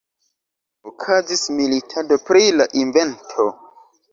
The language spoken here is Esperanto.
Okazis militado pri la invento.